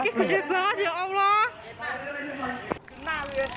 ini kecil banget ya allah